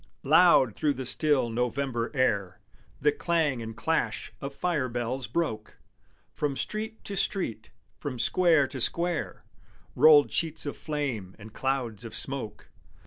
Loud through the still November air The clang and clash of fire bells broke; From street to street, from square to square, Rolled sheets of flame and clouds of smoke.